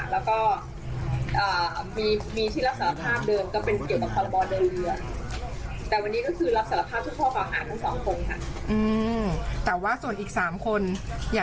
และก็มีที่รับสารภาพเดิมก็เกี่ยวกับความความละบอนระยะ